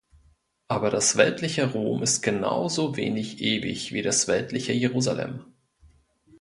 Aber das weltliche Rom ist genauso wenig ewig, wie das weltliche Jerusalem.